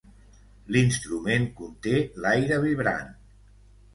L'instrument conté l'aire vibrant.